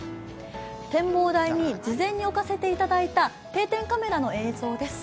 展望台に事前に置かせていただいた定点カメラの映像です。